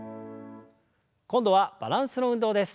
今度はバランスの運動です。